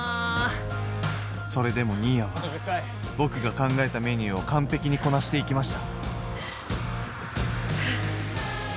それでも新谷は、僕が考えたメニューを完璧にこなしていきました。